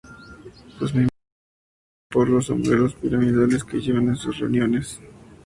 Sus miembros se reconocen por los sombreros piramidales que llevan en sus reuniones.